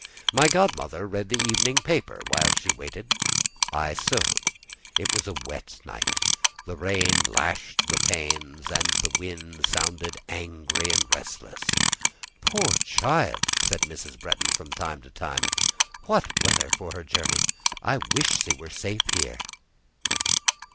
My godmother read the evening paper while she waited; I sewed. It was a wet night; the rain lashed the panes, and the wind sounded angry and restless. "Poor child!" said Mrs. Bretton from time to time. "What weather for her journey! I wish she were safe here."